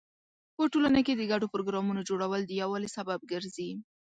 په ټولنه کې د ګډو پروګرامونو جوړول د یووالي سبب ګرځي.